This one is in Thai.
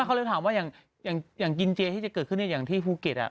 เขาเลยถามว่าอย่างกินเจที่จะเกิดขึ้นอย่างที่ภูเก็ต